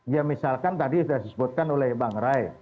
ya misalkan tadi sudah disebutkan oleh bang ray